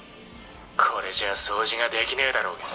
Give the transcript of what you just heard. これじゃ、掃除ができねえだろうが」。